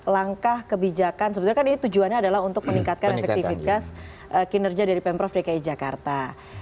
langkah kebijakan sebenarnya kan ini tujuannya adalah untuk meningkatkan efektivitas kinerja dari pemprov dki jakarta